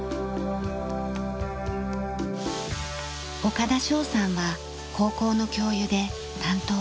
岡田將さんは高校の教諭で担当は地理。